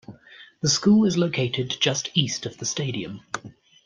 The school is located just East of the stadium.